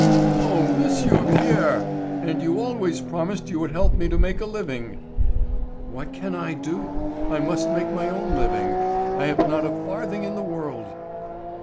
"O Monsieur Pierre! And you always promised you would help me to make a living!" "What can I do? I must make my own living. I have not a farthing in the world."